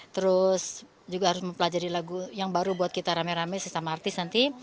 terus juga harus mempelajari lagu yang baru buat kita rame rame sesama artis nanti